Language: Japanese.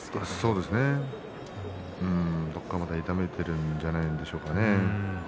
どこかまだ痛めているんではないでしょうかね。